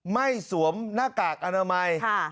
สวมหน้ากากอนามัย